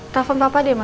telepon papa deh ma